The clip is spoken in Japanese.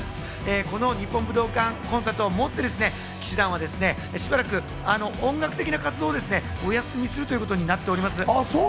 この日本武道館コンサートをもって氣志團はしばらく音楽的な活動をお休みするということになっております。